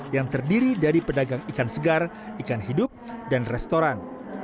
yang terdiri dari pedagang ikan segar ikan hidup dan restoran